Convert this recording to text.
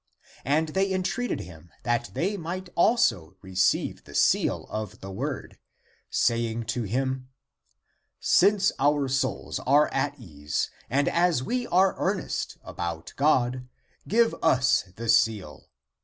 And they en treated him that they might also receive the seal of the word, saying to him, " Since our souls are at ease, and as we are earnest about God, give us the seal.